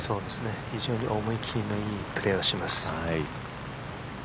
非常に思い切りのいいプレーをします。